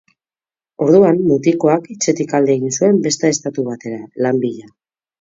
Orduan, mutikoak etxetik alde egin zuen beste estatu batera, lan bila.